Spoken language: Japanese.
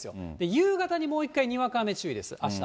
夕方にもう一回にわか雨注意です、あした。